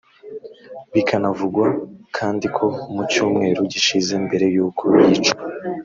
Bikanavugwa kandi ko mu cyumweru gishize mbere y’uko yicwa